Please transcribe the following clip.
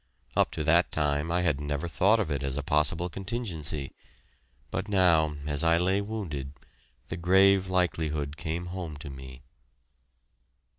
Up to that time I had never thought of it as a possible contingency; but now, as I lay wounded, the grave likelihood came home to me.